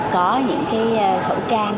có những cái khẩu trang